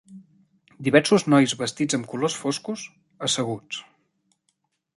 Diversos nois vestits amb colors foscos asseguts.